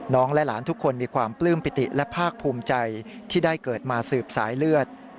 และหลานทุกคนมีความปลื้มปิติและภาคภูมิใจที่ได้เกิดมาสืบสายเลือด